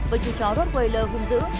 với chú chó rốt quầy lơ hung dữ